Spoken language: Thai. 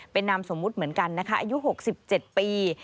เป็นนามสมมุติเหมือนกันนะคะอายุ๖๗ปี